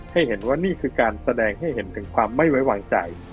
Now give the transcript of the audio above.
ให้เห็นว่านี่คือการแสดงให้เห็นถึงความไม่ไว้วางใจ